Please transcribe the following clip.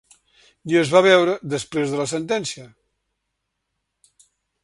I es va veure després de la sentència.